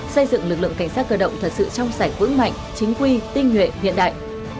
xây dựng lực lượng cảnh sát cơ động thật sự trong sạch vững mạnh chính quy tinh nguyện hiện đại